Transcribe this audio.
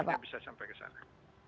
tidak bisa sampai ke sana